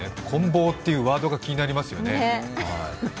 こん棒っていうワードが気になりますよね。